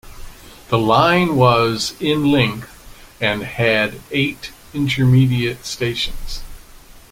The line was in length, and had eight intermediate stations.